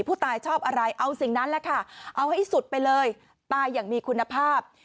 ผู้ตายชอบอะไรเอาสิ่งนั้นแหละค่ะเอาให้สุดไปเลยตายอย่างมีคุณภาพ